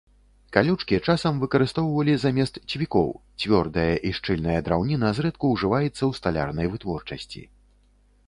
Калючкі часам выкарыстоўвалі замест цвікоў, цвёрдая і шчыльная драўніна зрэдку ўжываецца ў сталярнай вытворчасці.